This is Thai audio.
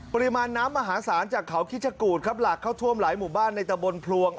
ปริมาณน้ำมหาศาลจากเขาคิดชะกูธครับหลากเข้าท่วมหลายหมู่บ้านในตะบนพลวง